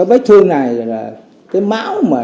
vết thương này là cái máu